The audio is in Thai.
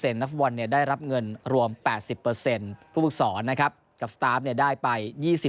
นักฟุตบอลได้รับเงินรวม๘๐ผู้ฝึกศรนะครับกับสตาร์ฟได้ไป๒๐